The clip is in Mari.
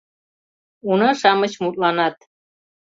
Уна-шамыч мутланат